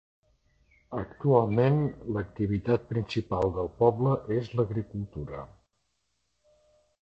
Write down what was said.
Actualment, l'activitat principal del poble és l'agricultura.